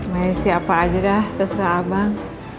masih apa aja dah terserah abang